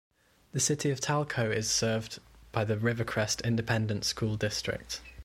The City of Talco is served by the Rivercrest Independent School District.